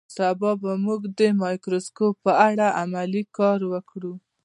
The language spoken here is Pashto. سبا به موږ د مایکروسکوپ په اړه عملي کار وکړو